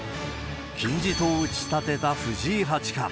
金字塔を打ち立てた藤井八冠。